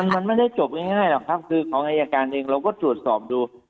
มันไม่ได้จบง่ายหรอกครับคือของอายการเองเราก็ตรวจสอบดู